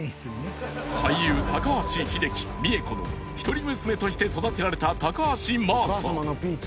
［俳優高橋英樹美恵子の一人娘として育てられた高橋真麻］